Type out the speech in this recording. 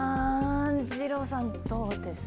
二郎さん、どうです？